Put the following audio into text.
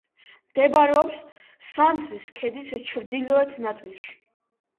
მდებარეობს სამსრის ქედის ჩრდილოეთ ნაწილში.